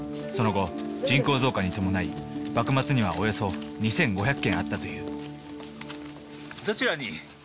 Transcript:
その後人口増加に伴い幕末にはおよそ２，５００軒あったというあ相性。